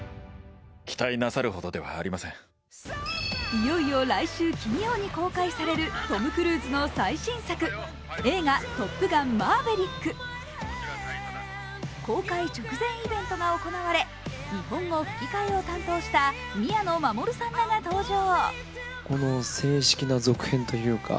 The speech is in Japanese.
いよいよ来週金曜に公開されるトム・クルーズの最新作映画「トップガンマーヴェリック」公開直前イベントが行われ日本語吹き替えを担当した宮野真守さんらが登場。